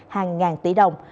hàng ngàn tỷ đồng